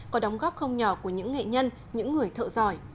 có đóng góp không nhỏ của những nghệ nhân những người thợ giỏi